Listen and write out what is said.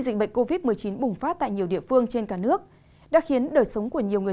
dịch bệnh covid một mươi chín bùng phát tại nhiều địa phương trên cả nước đã khiến đời sống của nhiều người